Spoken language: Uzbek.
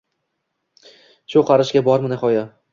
Shu qarashga bormi nihoya